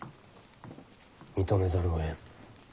認めざるをえん。